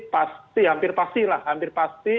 pasti hampir pasti lah hampir pasti